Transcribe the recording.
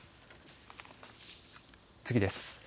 次です。